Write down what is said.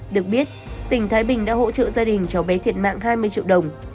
được biết tỉnh thái bình đã hỗ trợ gia đình cháu bé thiệt mạng hai mươi triệu đồng